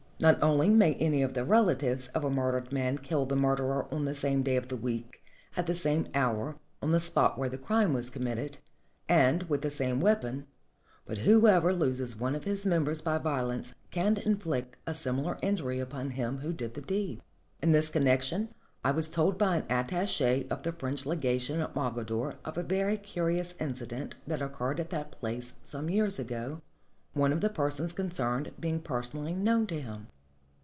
Not only may any of the relatives of a murdered man kill the murderer on the same day of the week, at the same hour, on the spot where the crime was committed, and with the same weapon, but whoever loses one of his members by vio lence can inflict a similar injury upon him who did the deed. In this connection I was told by an attache of the French legation at Mogador of a very curious incident that occurred at that place some years ago, one of the persons concerned being personally known to him.